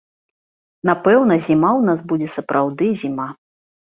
Напэўна, зіма ў нас будзе сапраўды зіма.